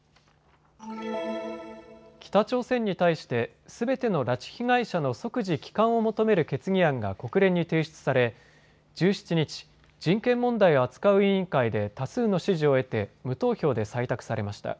北朝鮮に対してすべての拉致被害者の即時帰還を求める決議案が国連に提出され１７日、人権問題を扱う委員会で多数の支持を得て無投票で採択されました。